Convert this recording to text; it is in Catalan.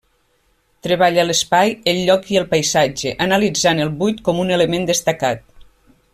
Treballa l'espai, el lloc i el paisatge, analitzant el buit com un element destacat.